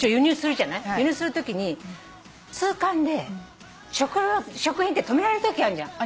輸入するときに通関で食品って止められるときあんじゃん。